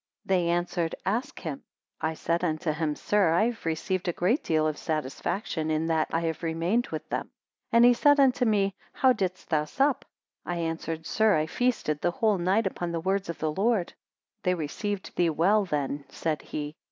They answered, Ask him. I said unto him, Sir, I have received a great deal of satisfaction in that I have remained with them. 106 And he said unto me, How didst thou sup? I answered, Sir, I feasted the whole night upon the words of the Lord. They received thee well then, said he?